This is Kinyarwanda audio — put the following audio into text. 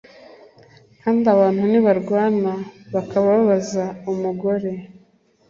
kandi abantu nibarwana bakababaza umugore